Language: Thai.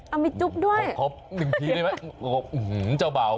เอามีจุ๊บด้วยขอหนึ่งทีได้ไหมขออื้อหือเจ้าบ่าว